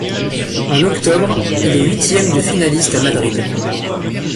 En octobre, il est huitième de finaliste à Madrid.